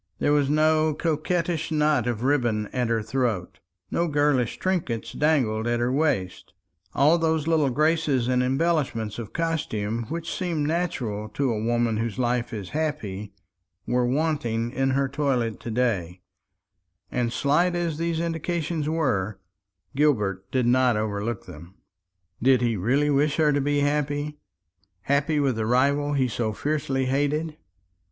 There was no coquettish knot of ribbon at her throat; no girlish trinkets dangled at her waist all those little graces and embellishments of costume which seem natural to a woman whose life is happy, were wanting in her toilet to day; and slight as these indications were, Gilbert did not overlook them. Did he really wish her to be happy happy with the rival he so fiercely hated?